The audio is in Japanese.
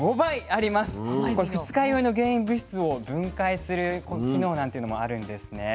これ「二日酔いの原因物質を分解」する機能なんていうのもあるんですね。